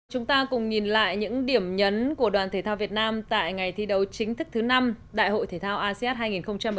chúng ta cùng nhìn lại những điểm nhấn của đoàn thể thao việt nam tại ngày thi đấu chính thức thứ năm đại hội thể thao asean hai nghìn hai mươi